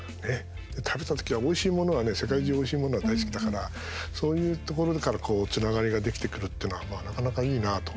食べた時は、おいしいものはね世界中おいしいものは大好きだからそういうところからつながりができてくるっていうのは、なかなかいいなと。